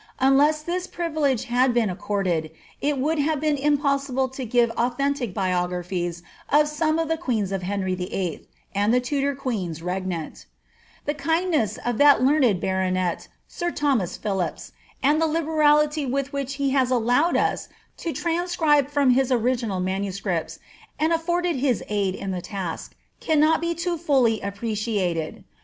Unless thb privilege had been accorded, it would have been impossible to give authentic biographies of some of the queens of Henry VIJL, and the Tudor queens regnant The kindness of that learned baronet, sir Thomas Phillipps, and the liberality with which he has allowed us to transcribe from his original MSS., and afforded his aid in the task, cannot be too fully appreciated.